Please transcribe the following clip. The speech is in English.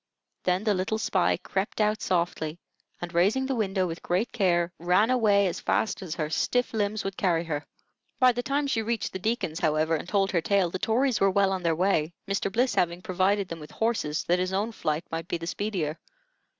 Then the little spy crept out softly, and raising the window with great care, ran away as fast as her stiff limbs would carry her. By the time she reached the Deacon's, however, and told her tale, the Tories were well on their way, Mr. Bliss having provided them with horses that his own flight might be the speedier.